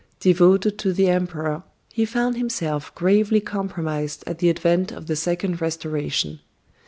Devoted to the Emperor, he found himself gravely compromised at the advent of the Second Restoration.